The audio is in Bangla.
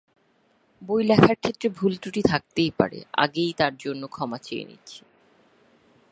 বই লেখার ক্ষেত্রে ভুল ত্রুটি থাকতেই পারে, আগেই তার জন্য ক্ষমা চেয়ে নিচ্ছি।